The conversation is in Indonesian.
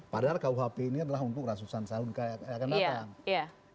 padahal kuhp ini adalah untuk ratusan tahun yang akan datang